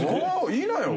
言いなよ！